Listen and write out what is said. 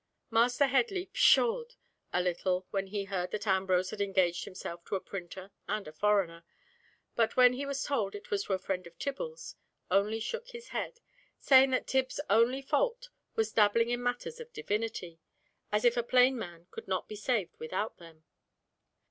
Master Headley pshawed a little when he heard that Ambrose had engaged himself to a printer and a foreigner; and when he was told it was to a friend of Tibble's, only shook his head, saying that Tib's only fault was dabbling in matters of divinity, as if a plain man could not be saved without them!